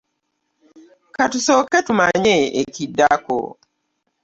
Ka tusooke tumanye ekiddako.